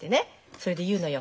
それで言うのよ